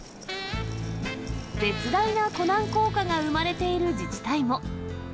絶大なコナン効果が生まれている自治体も。